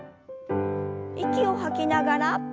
息を吐きながら。